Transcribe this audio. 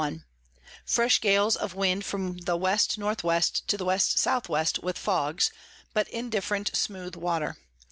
_ Fresh Gales of Wind from the W N W. to the W S W. with Fogs, but indifferent smooth Water.